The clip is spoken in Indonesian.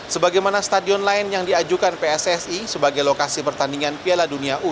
sebagaimana stadion lain yang diajukan pssi sebagai lokasi pertandingan piala dunia u dua puluh